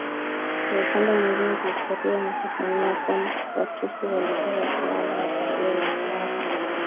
Kwa upande mwingine historia inafafanua kuwa Watusi walikuwa watawala wa kabila la Waha